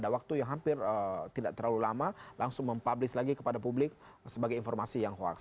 waktu yang hampir tidak terlalu lama langsung mempublis lagi kepada publik sebagai informasi yang hoax